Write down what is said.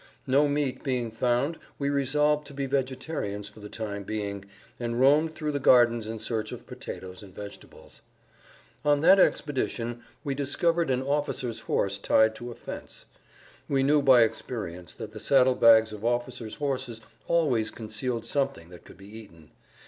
No meat being found we resolved to be vegetarians for the time being, and roamed through the gardens in search of potatoes and vegetables. On that expedition we discovered an officer's horse tied to a fence. We knew by experience that the saddle bags of officers' horses always concealed something that could be eaten.